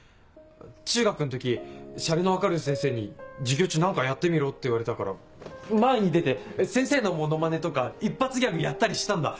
中学の時シャレの分かる先生に授業中何かやってみろって言われたから前に出て先生のモノマネとか一発ギャグやったりしたんだ。